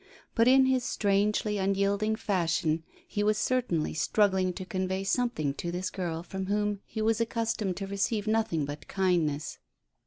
But in his strangely unyielding fashion he was certainly struggling to convey something to this girl from whom he was accustomed to receive nothing but kindness.